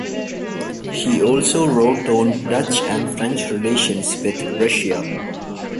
She also wrote on Dutch and French relations with Russia.